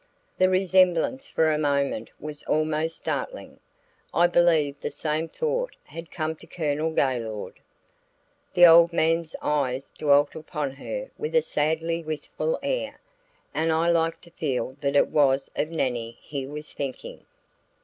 The resemblance for a moment was almost startling; I believe the same thought had come to Colonel Gaylord. The old man's eyes dwelt upon her with a sadly wistful air; and I like to feel that it was of Nannie he was thinking.